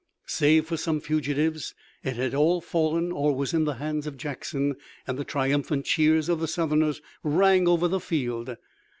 Save for some fugitives, it had all fallen or was in the hands of Jackson, and the triumphant cheers of the Southerners rang over the field.